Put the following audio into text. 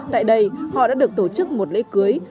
tại đây họ đã được tổ chức một lễ cưới